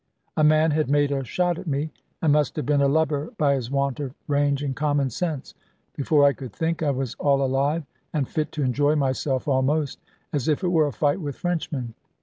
A man had made a shot at me, and must have been a lubber by his want of range and common sense. Before I could think, I was all alive, and fit to enjoy myself almost, as if it were a fight with Frenchmen.